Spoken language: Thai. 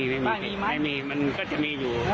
ไม่มีไม่มีมันก็จะมีอยู่